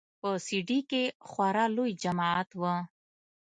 په سي ډي کښې خورا لوى جماعت و.